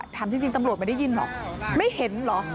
ถามจริงตำรวจไม่ได้ยินบอกไม่เห็นเหรอ